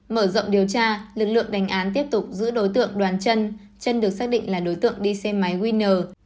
mở rộng điều tra lực lượng đánh án tiếp tục giữ đối tượng đoàn chân chân được xác định là đối tượng đi xe máy winner